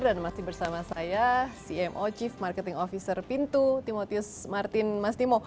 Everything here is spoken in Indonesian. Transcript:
dan masih bersama saya cmo chief marketing officer pintu timotius martin masnimo